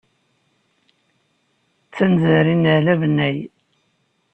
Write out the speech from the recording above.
D tanzarin n aɛli abennay.